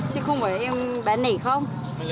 chứ không phải em bán nể không